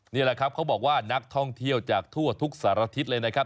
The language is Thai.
นี่แหละครับเขาบอกว่านักท่องเที่ยวจากทั่วทุกสารทิศเลยนะครับ